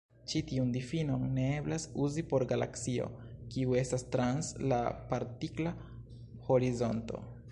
Ĉi tiun difinon ne eblas uzi por galaksio kiu estas trans la partikla horizonto.